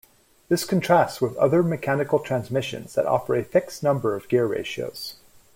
This contrasts with other mechanical transmissions that offer a fixed number of gear ratios.